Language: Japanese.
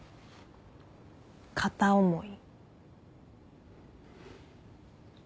片思い。